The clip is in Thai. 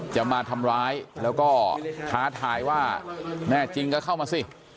จะมาทำร้ายแล้วก็ท้าทายว่าแม่จริงก็เข้ามาสิ